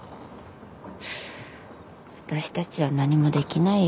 私たちは何もできないよ。